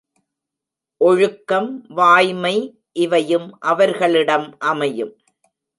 ஒழுக்கம், வாய்மை இவையும் அவர்களிடம் அமையும்.